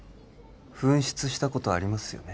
紛失したことありますよね